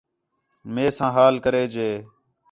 مئے ساں حال کرے ڄے